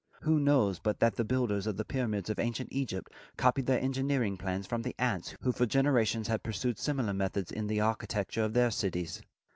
Who knows but that the builders of the pyramids of ancient Egypt copied their engineering plans from the ants who for generations had pursued similar methods in the architecture of their cities?